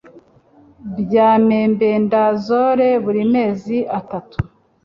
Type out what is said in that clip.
bya mebendazole buri mezi atatu